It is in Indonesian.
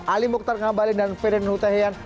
ali mukhtar ngabalin dan fede nuhutahian